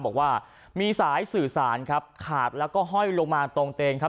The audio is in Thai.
บอกว่ามีสายสื่อสารครับขาดแล้วก็ห้อยลงมาตรงเตนครับ